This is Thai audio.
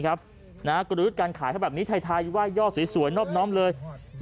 กรุยุทธการขายถ้าแบบนี้ไทยไทยว่ายย่อสวยน้อมเลย